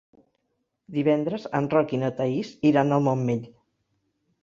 Divendres en Roc i na Thaís iran al Montmell.